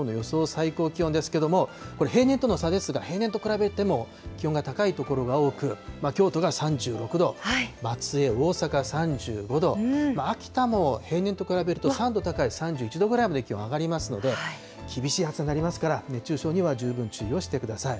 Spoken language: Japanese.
最高気温ですけども、これ、平年との差ですが、平年と比べても気温が高い所が多く、京都が３６度、松江、大阪３５度、秋田も平年と比べると３度高い３１度ぐらいまで気温上がりますので、厳しい暑さになりますから、熱中症には十分注意をしてください。